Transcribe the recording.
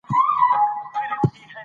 افغانستان کې د ښتې د پرمختګ هڅې روانې دي.